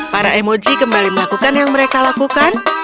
para emoji kembali melakukan yang mereka lakukan